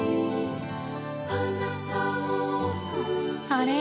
あれ？